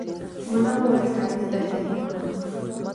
ملا وویل تعویذ درته لیکمه